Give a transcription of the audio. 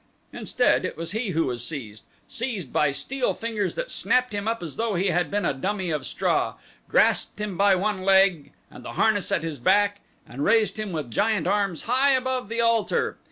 Instead it was he who was seized; seized by steel fingers that snapped him up as though he had been a dummy of straw, grasped him by one leg and the harness at his back and raised him with giant arms high above the altar.